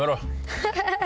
ハハハハ。